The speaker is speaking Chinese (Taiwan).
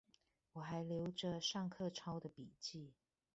我還留著上課抄的筆記